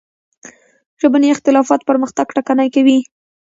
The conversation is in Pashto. ژبني اختلافات پرمختګ ټکنی کوي.